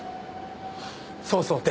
そうそう。